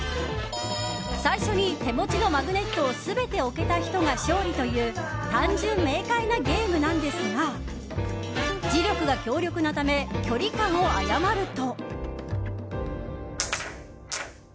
最初に手持ちのマグネットを全て置けた人が勝利という単純明快なゲームなんですが磁力が強力なため距離感を誤ると。